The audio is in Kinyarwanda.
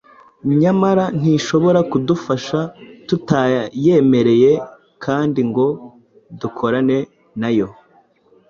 Nyamara ntishobora kudufasha tutayemereye kandi ngo dukorane na yo.